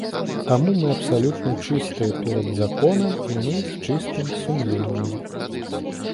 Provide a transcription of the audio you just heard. Таму мы абсалютна чыстыя перад законам і мы з чыстым сумленнем.